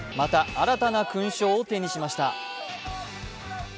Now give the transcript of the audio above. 新たな勲章を手にしました。